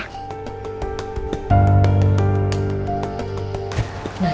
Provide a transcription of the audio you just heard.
buat mama ya